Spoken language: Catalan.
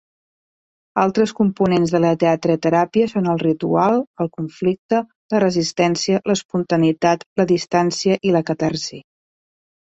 Altres components de la teatreteràpia són el ritual, el conflicte, la resistència, l'espontaneïtat, la distància i la catarsi.